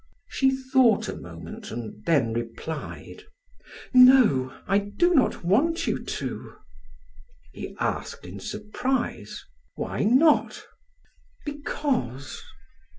She thought a moment and then replied: "No I do not want you to." He asked in surprise: "Why not?" "Because!"